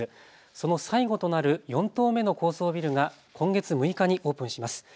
その最後となる４棟目の高層ビルが今月６日にオープンします。